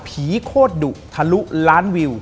โคตรดุทะลุล้านวิว